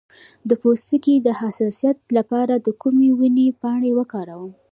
د پوستکي د حساسیت لپاره د کومې ونې پاڼې وکاروم؟